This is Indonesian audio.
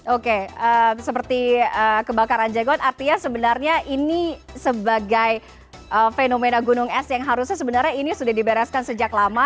oke seperti kebakaran jenggot artinya sebenarnya ini sebagai fenomena gunung es yang harusnya sebenarnya ini sudah dibereskan sejak lama